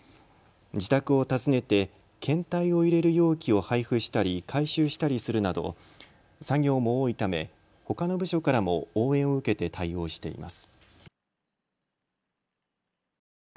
自宅を訪ねて検体を入れる容器を配布したり回収したりするなど作業も多いためほかの部署からも応援を受けて対応しています。